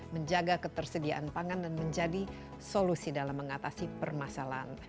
menjaga ketersediaan pangan dan menjadi solusi dalam mengatasi permasalahan